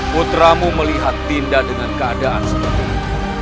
putramu melihat dinda dengan keadaan seperti ini